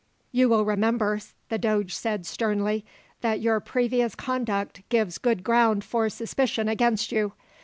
"You will remember," the doge said sternly, "that your previous conduct gives good ground for suspicion against you.